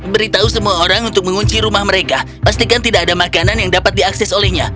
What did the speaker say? beritahu semua orang untuk mengunci rumah mereka pastikan tidak ada makanan yang dapat diakses olehnya